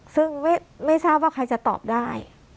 ซึ่งไม่ทราบว่าใครจะตอบได้